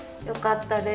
よかった。